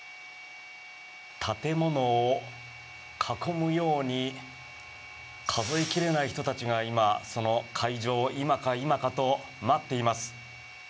建物を囲むように数え切れない人たちが今、その開場今か今かと待っています。